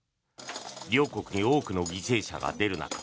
両国に多くの犠牲者が出る中